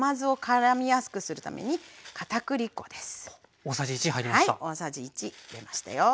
大さじ１入れましたよ。